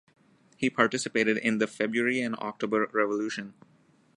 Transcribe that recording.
He participated in the February and October Revolution.